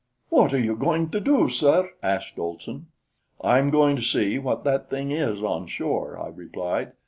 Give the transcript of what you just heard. "What are you going to do, sir?" asked Olson. "I'm going to see what that thing is on shore," I replied.